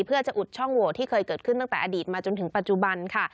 เพื่อจะอุดช่องโหวตที่เคยเกิดขึ้นตั้งแต่อดีตมาจนถึงปัจจุบันค่ะ